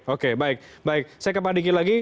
oke baik baik saya ke pak diki lagi